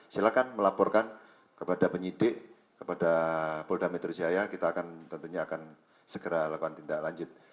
silahkan melaporkan kepada penyidik kepada polda metro jaya kita akan tentunya akan segera lakukan tindak lanjut